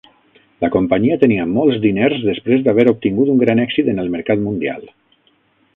La companyia tenia molts diners després d'haver obtingut un gran èxit en el mercat mundial.